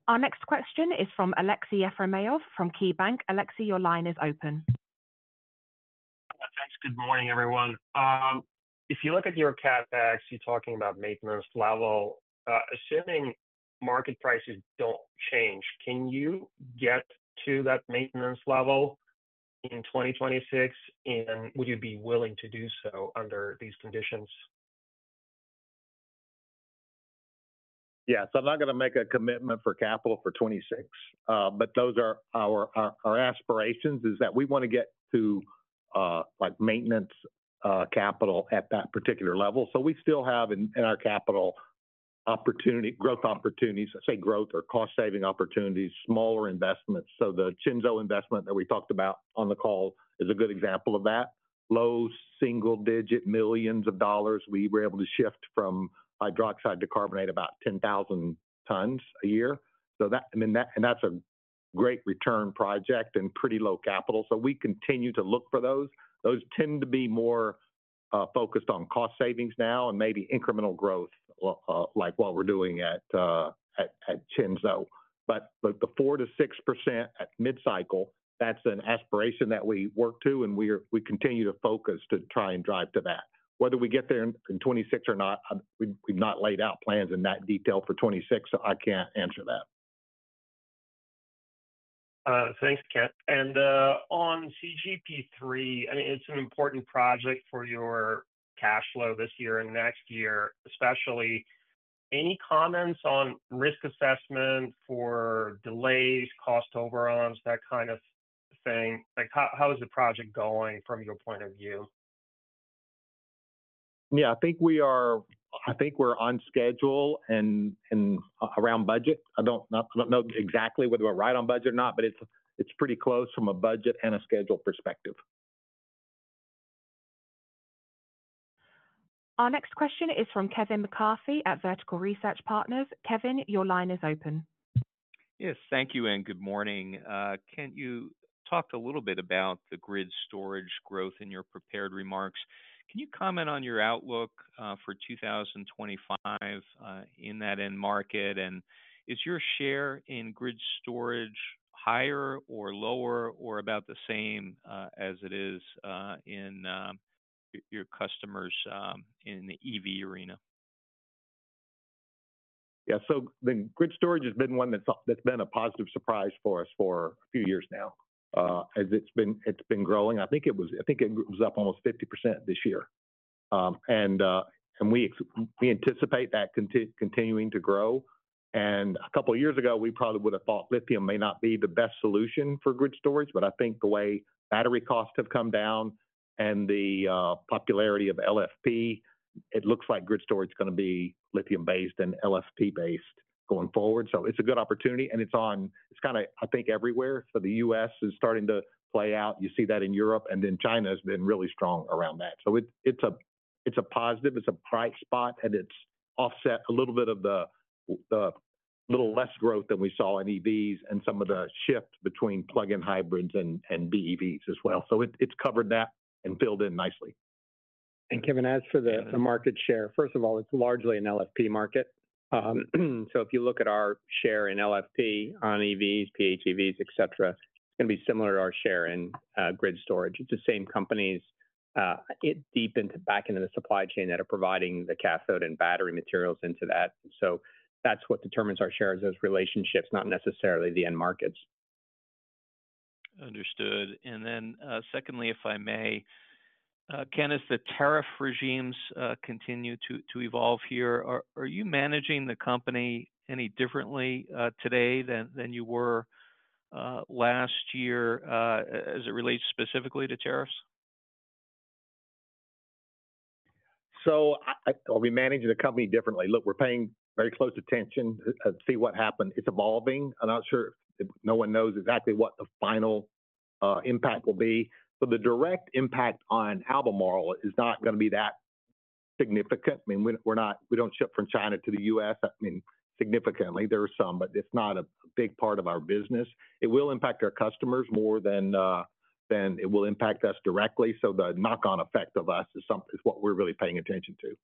A: Our next question is from Aleksey Yefremov from KeyBanc Capital Markets. Aleksey, your line is open.
N: Thanks. Good morning, everyone. If you look at your CapEx, you're talking about maintenance level. Assuming market prices don't change, can you get to that maintenance level in 2026? And would you be willing to do so under these conditions?
C: Yeah. I'm not going to make a commitment for capital for 2026. But those are our aspirations is that we want to get to maintenance capital at that particular level. We still have in our capital growth opportunities, I say growth or cost-saving opportunities, smaller investments. The Qinzhou investment that we talked about on the call is a good example of that. Low single-digit millions of dollars. We were able to shift from hydroxide to carbonate about 10,000 tons a year. So that, I mean, and that's a great return project and pretty low capital. So we continue to look for those. Those tend to be more focused on cost savings now and maybe incremental growth like what we're doing at Qinzhou. But the 4%-6% at mid-cycle, that's an aspiration that we work to. And we continue to focus to try and drive to that. Whether we get there in 2026 or not, we've not laid out plans in that detail for 2026. So I can't answer that.
N: Thanks, Kent. And on CGP3, I mean, it's an important project for your cash flow this year and next year, especially. Any comments on risk assessment for delays, cost overruns, that kind of thing? How is the project going from your point of view?
C: Yeah. I think we are on schedule and around budget. I don't know exactly whether we're right on budget or not, but it's pretty close from a budget and a schedule perspective.
A: Our next question is from Kevin McCarthy at Vertical Research Partners. Kevin, your line is open.
O: Yes. Thank you. And good morning. Kent, you talked a little bit about the grid storage growth in your prepared remarks. Can you comment on your outlook for 2025 in that end market? And is your share in grid storage higher or lower or about the same as it is in your customers in the EV arena?
C: Yeah. So the grid storage has been one that's been a positive surprise for us for a few years now as it's been growing. I think it was up almost 50% this year. And we anticipate that continuing to grow. A couple of years ago, we probably would have thought lithium may not be the best solution for grid storage. I think the way battery costs have come down and the popularity of LFP, it looks like grid storage is going to be lithium-based and LFP-based going forward. It's a good opportunity. It's kind of, I think, everywhere. The U.S. is starting to play out. You see that in Europe. Then China has been really strong around that. It's a positive. It's a bright spot. It's offset a little bit of the little less growth than we saw in EVs and some of the shift between plug-in hybrids and BEVs as well. It's covered that and filled in nicely.
K: Kevin, as for the market share, first of all, it's largely an LFP market. So if you look at our share in LFP on EVs, PHEVs, etc., it's going to be similar to our share in grid storage. It's the same companies deep back into the supply chain that are providing the cathode and battery materials into that. So that's what determines our share as those relationships, not necessarily the end markets.
O: Understood. And then secondly, if I may, Kent, the tariff regimes continue to evolve here. Are you managing the company any differently today than you were last year as it relates specifically to tariffs?
C: So are we managing the company differently? Look, we're paying very close attention to see what happens. It's evolving. I'm not sure if no one knows exactly what the final impact will be. But the direct impact on Albemarle is not going to be that significant. I mean, we don't ship from China to the U.S., I mean, significantly. There are some, but it's not a big part of our business. It will impact our customers more than it will impact us directly. So the knock-on effect of us is what we're really paying attention to.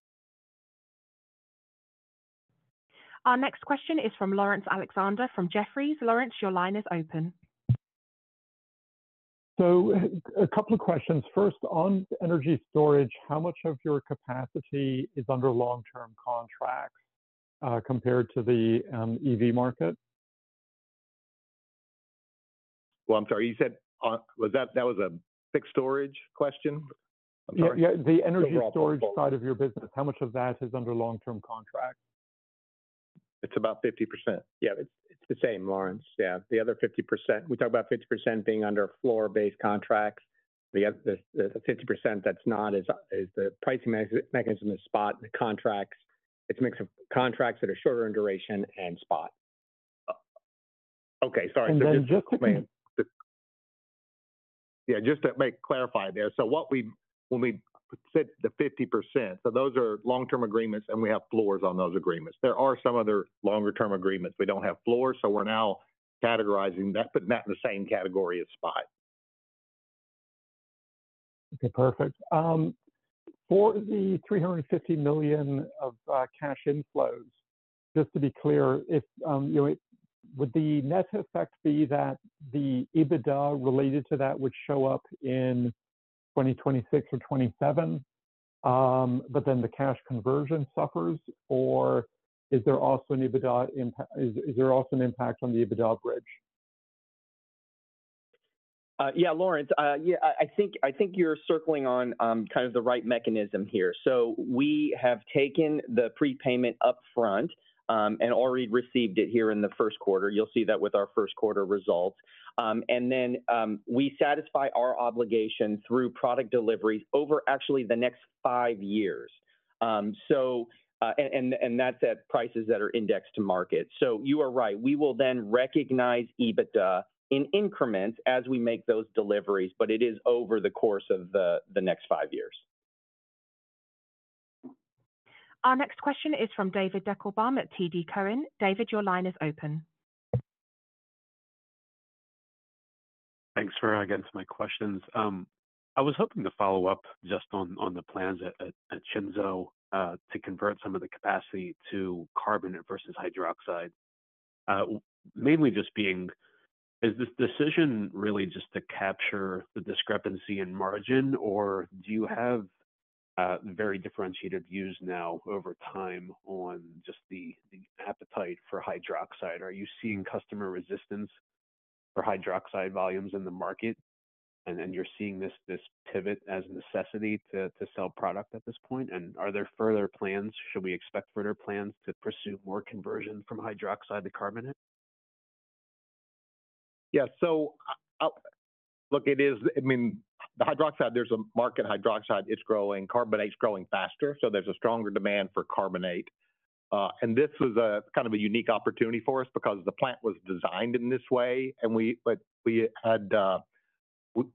A: Our next question is from Laurence Alexander from Jefferies. Laurence, your line is open.
P: So a couple of questions. First, Energy Storage, how much of your capacity is under long-term contracts compared to the EV market?
C: Well, I'm sorry. You said that was a fixed storage question. I'm sorry.
P: Yeah. Energy Storage side of your business, how much of that is under long-term contracts?
C: It's about 50%.
K: Yeah. It's the same, Laurence. Yeah. The other 50%, we talk about 50% being under floor-based contracts. The 50% that's not is the pricing mechanism is spot and contracts. It's a mix of contracts that are shorter in duration and spot.
C: Okay. Sorry. Yeah. Just to clarify there. So when we said the 50%, so those are long-term agreements, and we have floors on those agreements. There are some other longer-term agreements. We don't have floors. So we're now categorizing that, but not in the same category as spot.
P: Okay. Perfect. For the $350 million of cash inflows, just to be clear, would the net effect be that the EBITDA related to that would show up in 2026 or 2027, but then the cash conversion suffers? Or is there also an EBITDA? Is there also an impact on the EBITDA bridge?
D: Yeah. Laurence, I think you're circling on kind of the right mechanism here. So we have taken the prepayment upfront and already received it here in the first quarter. You'll see that with our first quarter results. And then we satisfy our obligation through product deliveries over actually the next five years. And that's at prices that are indexed to market. So you are right. We will then recognize EBITDA in increments as we make those deliveries, but it is over the course of the next five years.
A: Our next question is from David Deckelbaum at TD Cowen. David, your line is open.
Q: Thanks for getting to my questions. I was hoping to follow up just on the plans at Qinzhou to convert some of the capacity to carbonate versus hydroxide. Mainly just being, is this decision really just to capture the discrepancy in margin, or do you have very differentiated views now over time on just the appetite for hydroxide? Are you seeing customer resistance for hydroxide volumes in the market? And then you're seeing this pivot as a necessity to sell product at this point? And are there further plans? Should we expect further plans to pursue more conversion from hydroxide to carbonate?
C: Yeah. So look, I mean, the hydroxide, there's a market hydroxide. It's growing. Carbonate's growing faster. So there's a stronger demand for carbonate. And this was kind of a unique opportunity for us because the plant was designed in this way. But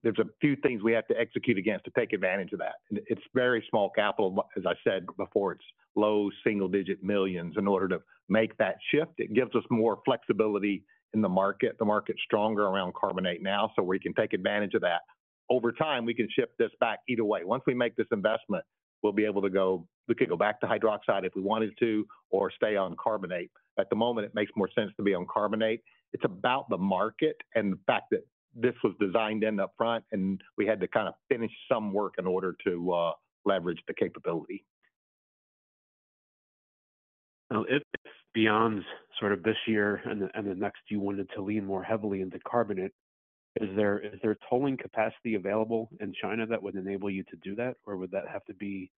C: there's a few things we had to execute against to take advantage of that. And it's very small capital. As I said before, it's low single-digit millions in order to make that shift. It gives us more flexibility in the market. The market's stronger around carbonate now, so we can take advantage of that. Over time, we can shift this back either way. Once we make this investment, we'll be able to go back to hydroxide if we wanted to or stay on carbonate. At the moment, it makes more sense to be on carbonate. It's about the market and the fact that this was designed upfront, and we had to kind of finish some work in order to leverage the capability.
P: Now, if it's beyond sort of this year and the next, you wanted to lean more heavily into carbonate, is there tolling capacity available in China that would enable you to do that? Or would that have to be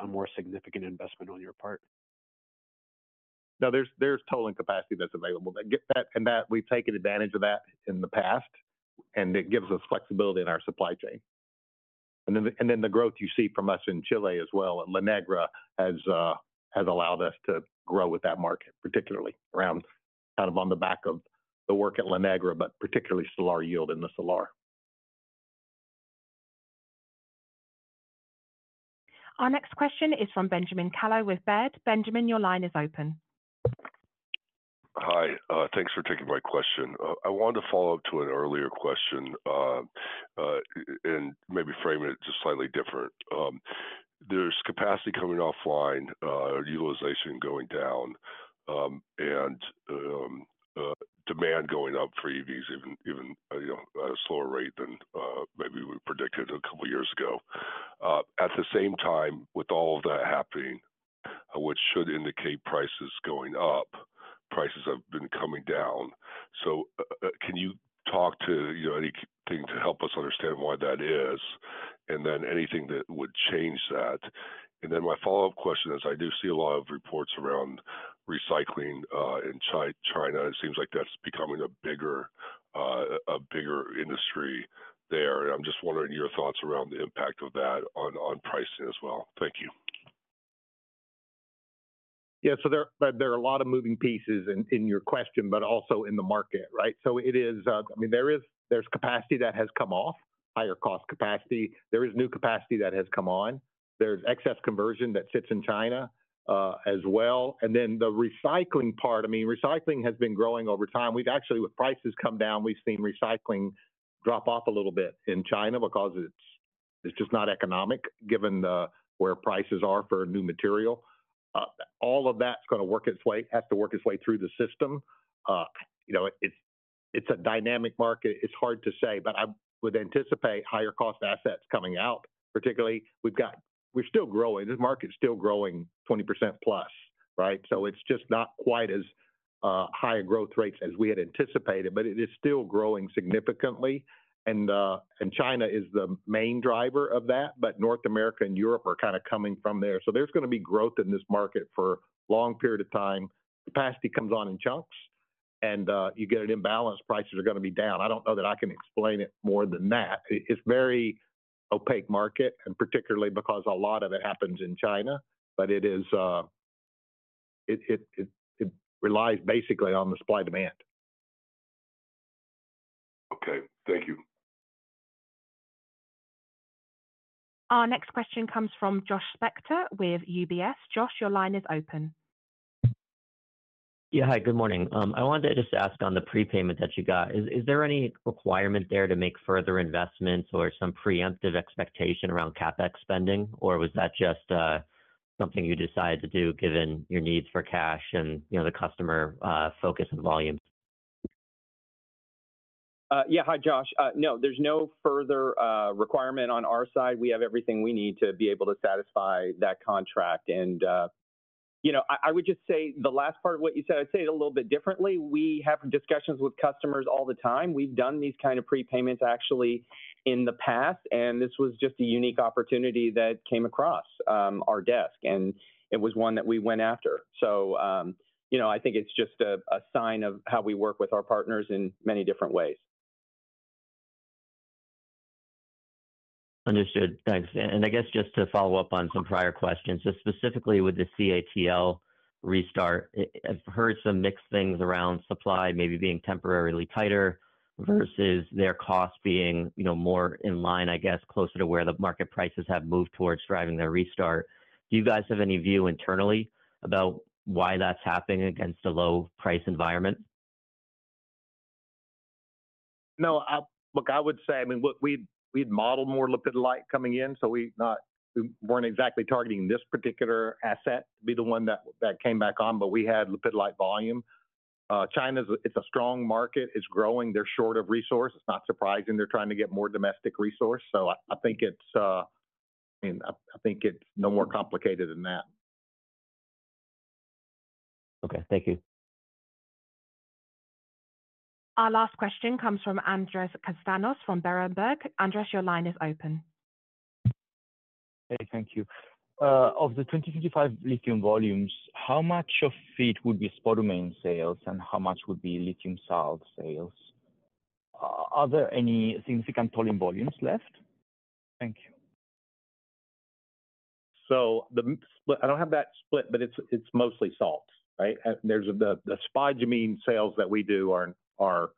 P: a more significant investment on your part?
C: No, there's tolling capacity that's available, and we've taken advantage of that in the past, and it gives us flexibility in our supply chain. And then the growth you see from us in Chile as well and La Negra has allowed us to grow with that market, particularly around kind of on the back of the work at La Negra, but particularly Salar yield in the Salar.
A: Our next question is from Benjamin Kallo with Baird. Benjamin, your line is open.
R: Hi. Thanks for taking my question. I wanted to follow up to an earlier question and maybe frame it just slightly different. There's capacity coming offline, utilization going down, and demand going up for EVs at a slower rate than maybe we predicted a couple of years ago. At the same time, with all of that happening, which should indicate prices going up, prices have been coming down, so can you talk to anything to help us understand why that is? And then anything that would change that? And then my follow-up question is, I do see a lot of reports around recycling in China. It seems like that's becoming a bigger industry there. And I'm just wondering your thoughts around the impact of that on pricing as well. Thank you.
C: Yeah. So there are a lot of moving pieces in your question, but also in the market, right? So I mean, there's capacity that has come off, higher-cost capacity. There is new capacity that has come on. There's excess conversion that sits in China as well. And then the recycling part, I mean, recycling has been growing over time. Actually, with prices coming down, we've seen recycling drop off a little bit in China because it's just not economic given where prices are for new material. All of that's going to work its way, has to work its way through the system. It's a dynamic market. It's hard to say, but I would anticipate higher-cost assets coming out, particularly. We're still growing. This market's still growing 20% plus, right? So it's just not quite as high a growth rate as we had anticipated, but it is still growing significantly. And China is the main driver of that, but North America and Europe are kind of coming from there. So there's going to be growth in this market for a long period of time. Capacity comes on in chunks, and you get an imbalance. Prices are going to be down. I don't know that I can explain it more than that. It's a very opaque market, and particularly because a lot of it happens in China, but it relies basically on the supply-demand.
R: Okay. Thank you.
A: Our next question comes from Josh Spector with UBS. Josh, your line is open.
S: Yeah. Hi. Good morning. I wanted to just ask on the prepayment that you got. Is there any requirement there to make further investments or some preemptive expectation around CapEx spending, or was that just something you decided to do given your needs for cash and the customer focus on volumes?
D: Yeah. Hi, Josh. No, there's no further requirement on our side. We have everything we need to be able to satisfy that contract, and I would just say the last part of what you said. I'd say it a little bit differently. We have discussions with customers all the time. We've done these kinds of prepayments actually in the past, and this was just a unique opportunity that came across our desk, and it was one that we went after, so I think it's just a sign of how we work with our partners in many different ways.
S: Understood. Thanks. And I guess just to follow up on some prior questions, specifically with the CATL restart, I've heard some mixed things around supply maybe being temporarily tighter versus their cost being more in line, I guess, closer to where the market prices have moved towards driving their restart. Do you guys have any view internally about why that's happening against a low-price environment?
C: No. Look, I would say, I mean, we'd model more lithium coming in. So we weren't exactly targeting this particular asset to be the one that came back on, but we had lithium volume. China's a strong market. It's growing. They're short of resource. It's not surprising. They're trying to get more domestic resource. So I think it's—I mean, I think it's no more complicated than that.
S: Okay. Thank you.
A: Our last question comes from Andres Castanos from Berenberg. Andrés, your line is open.
T: Hey. Thank you. Of the 2025 lithium volumes, how much of it would be spodumene sales, and how much would be lithium salts sales? Are there any significant tolling volumes left? Thank you.
C: So I don't have that split, but it's mostly salts, right? The spodumene sales that we do are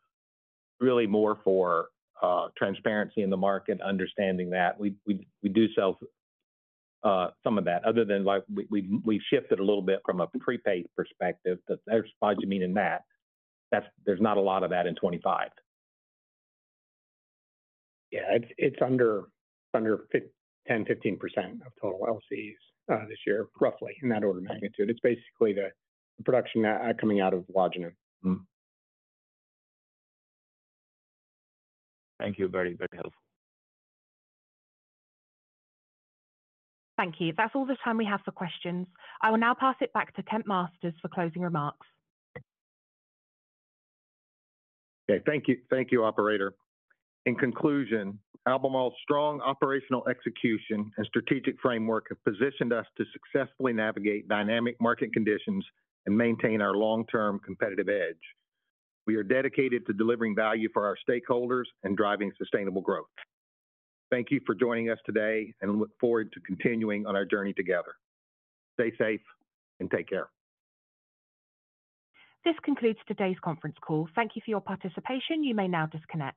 C: really more for transparency in the market, understanding that. We do sell some of that. Other than we've shifted a little bit from a prepaid perspective, but there's spodumene in that. There's not a lot of that in 2025.
K: Yeah. It's under 10%-15% of total LCEs this year, roughly in that order of magnitude. It's basically the production coming out of Wodgina.
T: Thank you. Very, very helpful.
A: Thank you. That's all the time we have for questions. I will now pass it back to Kent Masters for closing remarks.
C: Okay. Thank you. Thank you, Operator. In conclusion, Albemarle's strong operational execution and strategic framework have positioned us to successfully navigate dynamic market conditions and maintain our long-term competitive edge. We are dedicated to delivering value for our stakeholders and driving sustainable growth. Thank you for joining us today, and look forward to continuing on our journey together. Stay safe and take care.
A: This concludes today's conference call. Thank you for your participation. You may now disconnect.